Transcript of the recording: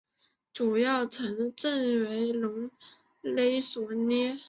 主要城镇为隆勒索涅。